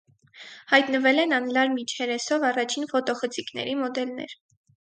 Հայտնվել են անլար միջերեսով առաջին ֆոտոխցիկների մոդելներ։